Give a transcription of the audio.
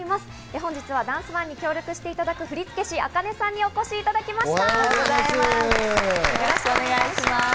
本日はダンスＯＮＥに協力していただく振付師・ａｋａｎｅさんにお越しいただきました。